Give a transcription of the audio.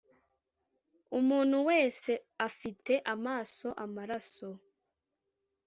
Umuntu wese afite amaso amaraso.